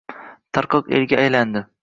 Tarqoq elga aylandi